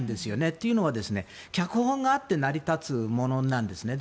というのは、脚本があって成り立つものなんですね。